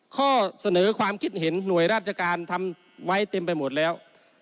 ข้อเสนอความคิดเห็นหน่วยราชการทำไว้เต็มไปหมดแล้ว